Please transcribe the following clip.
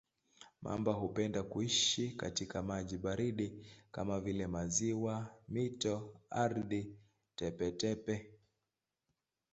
Mamba hupenda kuishi katika maji baridi kama vile maziwa, mito, ardhi tepe-tepe.